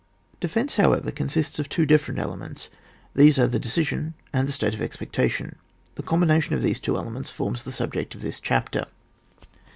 Defence, however, consists of two dif ferent elements, these are the decision and the state of expectation. The com bination of these two elements forms the subject of this chapter.